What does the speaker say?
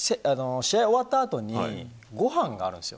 試合終わったあとにごはんがあるんですよ。